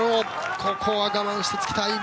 ここは我慢してつきたい。